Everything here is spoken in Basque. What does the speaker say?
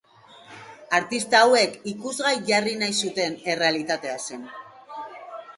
Artista hauek ikusgai jarri nahi zuten errealitatea zen.